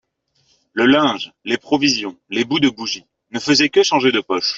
Le linge, les provisions, les bouts de bougie, ne faisaient que changer de poche.